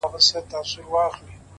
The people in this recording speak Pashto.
لکه چي مخکي وې هغسي خو جانانه نه يې،